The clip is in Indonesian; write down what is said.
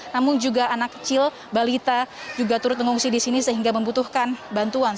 namun juga anak kecil balita juga turut mengungsi di sini sehingga membutuhkan bantuan